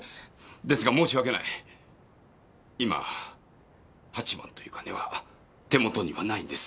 ですが申し訳ない今８万という金は手元にはないんです。